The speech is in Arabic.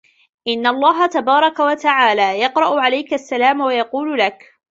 إنَّ اللَّهَ تَبَارَكَ وَتَعَالَى يَقْرَأُ عَلَيْك السَّلَامَ وَيَقُولُ لَك